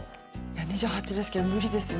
２８ですけど無理ですね